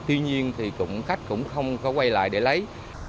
tuy nhiên thì khách cũng không có quay lại để lấy